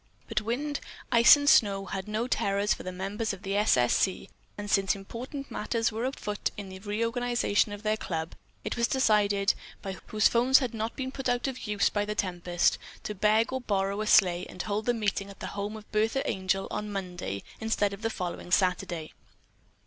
But wind, ice and snow had no terrors for the members of the "S. S. C.," and, since important matters were afoot in the reorganization of their club, it was decided, by those whose 'phones had not been put out of use by the tempest, to beg or borrow a sleigh and hold the meeting at the home of Bertha Angel on Monday instead of the following Saturday.